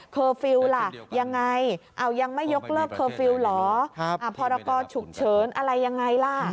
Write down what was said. เคอร์ฟิลล่ะยังไงอ้าวยังไม่ยกเลิกเคอร์ฟิลล่ะเพราะละก็ฉุกเฉินอะไรยังไงล่ะ